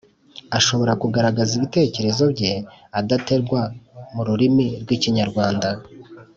ashobora kugaragaza ibitekerezo bye adategwa mu rurimi rw’ikinyarwanda;